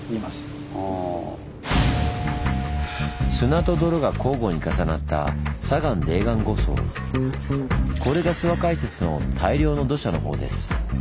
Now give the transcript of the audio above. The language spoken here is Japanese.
砂と泥が交互に重なったこれが諏訪解説の「大量の土砂」のほうです。